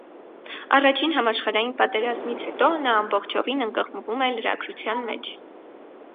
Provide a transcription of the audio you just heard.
Առաջին համաշխարհային պատերազմից հետո, նա ամբողջովին ընկղմվում է լրագրության մեջ։